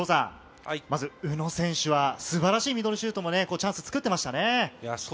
まず宇野選手は素晴らしいミドルシュートもチャンスを作っていましたね。